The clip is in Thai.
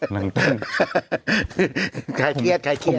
ฮ่าใครเครียดใครเต้น